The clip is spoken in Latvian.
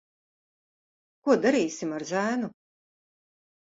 Ko darīsim ar zēnu?